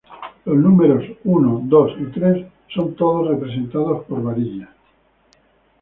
Los números uno, dos y tres son todos representados por varillas.